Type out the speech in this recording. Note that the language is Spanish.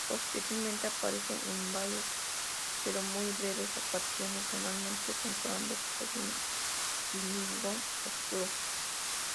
Posteriormente aparece en varias pero muy breves ocasiones, normalmente controlado por algún digimon oscuro.